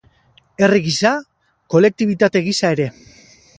Herri gisa, kolektibitate gisa ere.